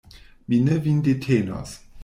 Mi ne vin detenos.